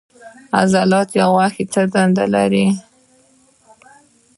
عضلات یا غوښې څه دنده لري